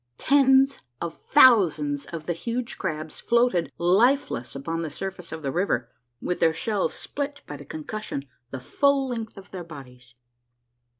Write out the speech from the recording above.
Tens of thousands of the huge crabs floated life less upon the surface of the river, with their shells split by the concussion the full length of their bodies.